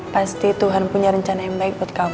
pasti tuhan punya rencana yang baik buat kamu